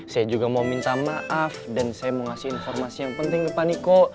saya juga mau minta maaf dan saya mau ngasih informasi yang penting ke pak niko